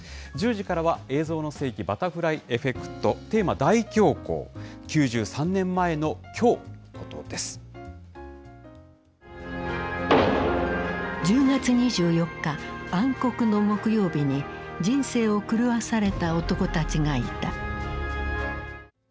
１０時からは、映像の世紀バタフライエフェクト、テーマ、大恐慌、１０月２４日、暗黒の木曜日に人生を狂わされた男たちがいた。